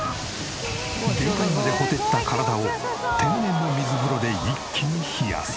限界まで火照った体を天然の水風呂で一気に冷やす。